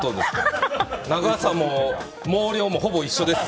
長さも、毛量もほぼ一緒です